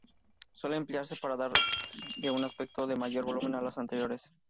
Suelen emplearse para dar un aspecto de mayor volumen a los interiores.